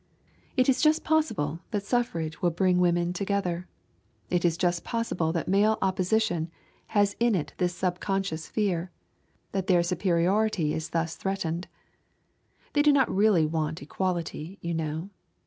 It is just possible that suffrage will bring women together. It is just possible that male opposition has in it this subconscious fear, that their superiority is thus threatened. They don't really want equality, you know.